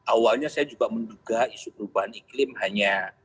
awalnya saya juga menduga isu perubahan iklim hanya